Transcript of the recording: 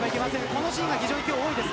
このシーン非常に多いです。